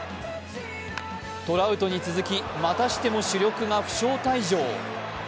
トラウトに続きまたしても主力が負傷退場。